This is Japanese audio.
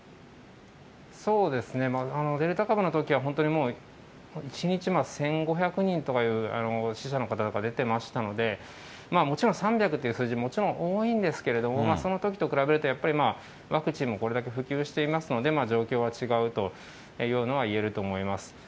そうですね、デルタ株のときは本当に１日１５００人とかいう死者の方々、出てましたので、もちろん３００っていう数字、もちろん多いんですけれども、そのときと比べると、やっぱりワクチンもこれだけ普及していますので、状況は違うというのは言えると思います。